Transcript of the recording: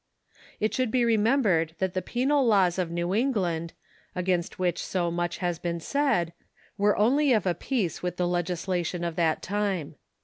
It should be remem bered that the penal laws of New England, against which so much has been said, were only of a piece with the legisla tion of that time.